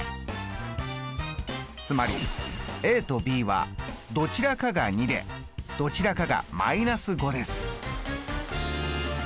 つまりとｂはどちらかが２でどちらかが−５です。